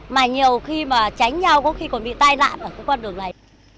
mà nhiều khi mà tránh nhau có khi còn bị tai nạn ở cái con đường này